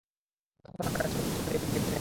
দশ বছর আগে সবকিছু হারিয়ে যোগ দিয়েছেন এই পেশায়!